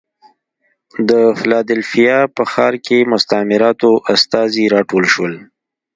د فلادلفیا په ښار کې مستعمراتو استازي راټول شول.